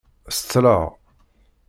Ṣeṭṭleɣ